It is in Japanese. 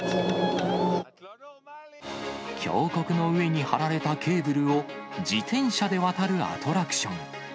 峡谷の上に張られたケーブルを、自転車で渡るアトラクション。